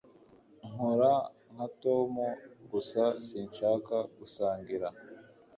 Nkora nka Tom Gusa sinshaka gusangira